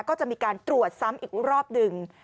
ก็จะมีการตรวจซ้ำอีกรอบหนึ่ง